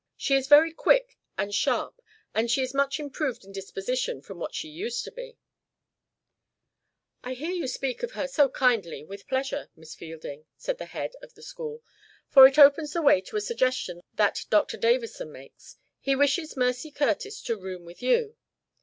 "She is very quick and sharp. And she is much improved in disposition from what she used to be." "I hear you speak of her so kindly, with pleasure, Miss Fielding," said the head of the school. "For it opens the way to a suggestion that Dr. Davison makes. He wishes Mercy Curtis to room with you."